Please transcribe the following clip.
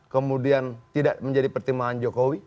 kemudian tidak menjadi pertimbangan jokowi